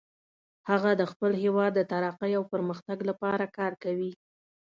هغه د خپل هیواد د ترقۍ او پرمختګ لپاره کار کوي